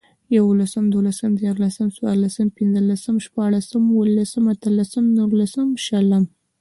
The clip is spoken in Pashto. ېولسم، دولسم، ديارلسم، څوارلسم، پنځلسم، شپاړسم، اوولسم، اتلسم، نولسم، شلم